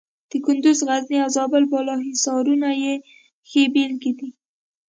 د کندز، غزني او زابل بالا حصارونه یې ښې بېلګې دي.